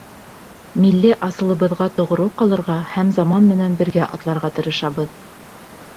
Милли асылыбыҙға тоғро ҡалырға һәм заман менән бергә атларға тырышабыҙ.